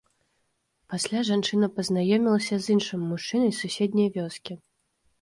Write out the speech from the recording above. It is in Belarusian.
Пасля жанчына пазнаёмілася з іншым мужчынам з суседняй вёскі.